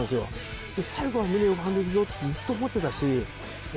最後はムネ４番でいくぞってずっと思ってたし。